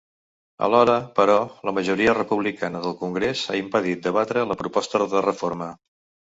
Alhora, però, la majoria republicana del congrés ha impedit debatre la proposta de reforma.